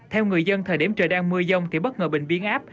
theo người dân thời điểm trời đang mưa dông thì bất ngờ bình biến áp